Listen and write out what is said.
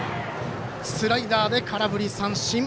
スライダーで空振り三振。